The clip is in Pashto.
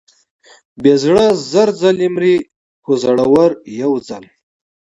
بې زړه زر ځلې مري، خو زړور یو ځل.